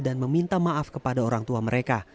dan meminta maaf kepada orang tua mereka